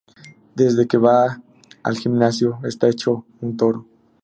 Desde que va al gimnasio está hecho un toro